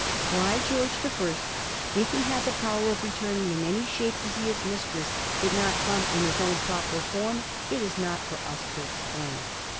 Why George the First, if he had the power of returning in any shape to see his mistress, did not come in his own proper form, it is not for us to explain.